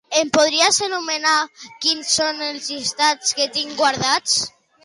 Em podries enumerar quins són els llistats que tinc guardats?